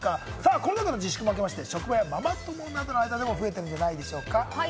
コロナ禍の自粛もあけて、職場やママ友などの間でも増えているんじゃないでしょうか？